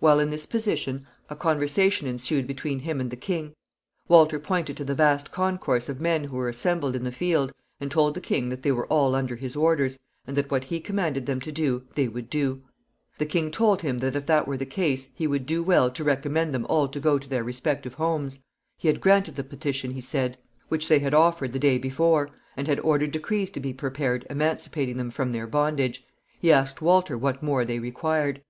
While in this position, a conversation ensued between him and the king. Walter pointed to the vast concourse of men who were assembled in the field, and told the king that they were all under his orders, and that what he commanded them to do they would do. The king told him that if that were the case, he would do well to recommend them all to go to their respective homes. He had granted the petition, he said, which they had offered the day before, and had ordered decrees to be prepared emancipating them from their bondage. He asked Walter what more they required.